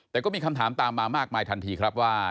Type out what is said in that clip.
แต่ก็มีคำถามตามมามากมายทันทีครับว่า